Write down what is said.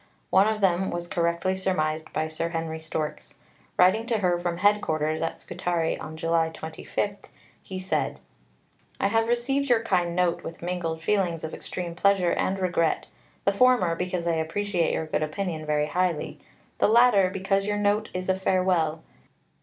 One of them was correctly surmised by Sir Henry Storks. Writing to her from Headquarters at Scutari, on July 25, he said: I have received your kind note with mingled feelings of extreme pleasure and regret the former, because I appreciate your good opinion very highly; the latter, because your note is a Farewell.